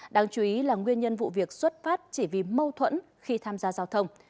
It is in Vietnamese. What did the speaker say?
đáng chú ý là nguyên nhân vụ việc xuất phát chỉ vì mâu thuẫn khi tham gia giao thông